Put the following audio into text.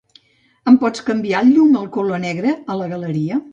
Em pots canviar el llum al color negre a la galeria?